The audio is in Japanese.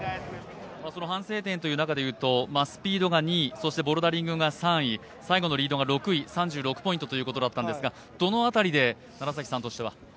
その反省点という中でいうとスピードが２位そしてボルダリングが３位最後のリードが６位３６ポイントということだったんですがどの辺りで、楢崎さんとしては。